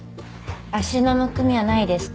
足のむくみはないですか？